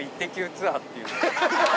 ツアーっていうの。